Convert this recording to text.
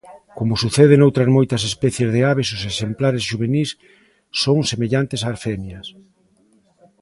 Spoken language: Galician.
Como sucede noutras moitas especies de aves os exemplares xuvenís son semellantes ás femias.